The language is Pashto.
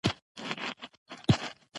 جنراتور چالانول ،